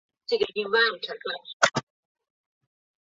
亚祖县伊甸乡间也因龙卷风致使一套移动房屋倒塌。